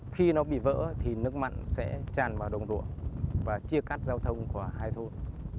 khi nó bị vỡ thì nước mặn sẽ tràn vào đồng ruộng và chia cắt giao thông của hai thôn